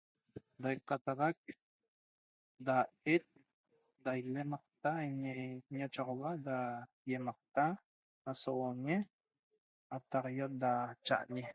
Da iqataxq da et da imemaqta ñe ñochaxohua da iemaqta da nsohoñe Ataxaiot da cha añe e